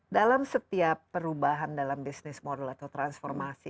dalam setiap perubahan dalam bisnis model atau transformasi